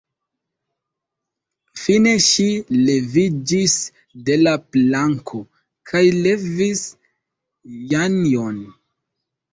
Fine ŝi leviĝis de la planko kaj levis Janjon.